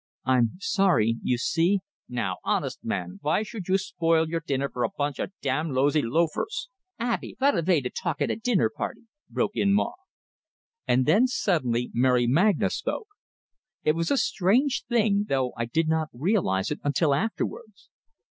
"I'm sorry; you see " "Now, honest, man, vy should you spoil your dinner fer a bunch o' damn lousy loafers " "Abey, vot a vay to talk at a dinner party!" broke in Maw. And then suddenly Mary Magna spoke. It was a strange thing, though I did not realize it until afterwards.